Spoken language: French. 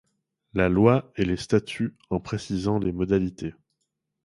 La loi et les statuts en précisent les modalités.